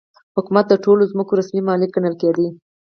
حکومت د ټولو ځمکو رسمي مالک ګڼل کېده.